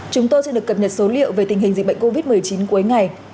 chúng tôi xin được cập nhật số liệu về tình hình dịch bệnh covid một mươi chín cuối ngày